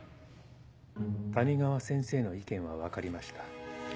谷川先生の意見は分かりました。